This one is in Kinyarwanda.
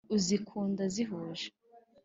Uzikunda zihuje